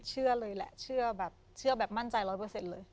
เชื่อเลยแหละเชื่อแบบเชื่อแบบมั่นใจร้อยเปอร์เซ็นต์เลย